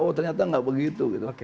oh ternyata nggak begitu